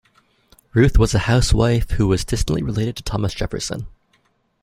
Ruth was a housewife who was distantly related to Thomas Jefferson.